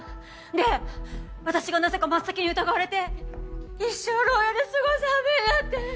で私がなぜか真っ先に疑われて一生牢屋で過ごすはめになって。